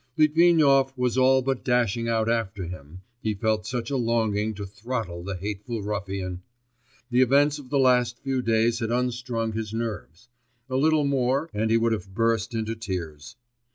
Litvinov was all but dashing out after him, he felt such a longing to throttle the hateful ruffian. The events of the last few days had unstrung his nerves; a little more, and he would have burst into tears.